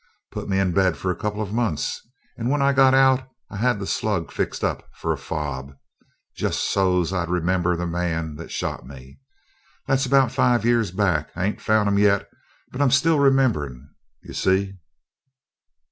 Put me in bed for a couple of months and when I got out I had the slug fixed up for a fob. Just so's I could remember the man that shot me. That's about five years back. I ain't found him yet, but I'm still remembering, you see?"